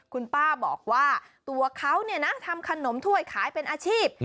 คุณป้าบอกว่าตัวเขาเนี่ยนะทำขนมถ้วยขายเป็นอาชีพ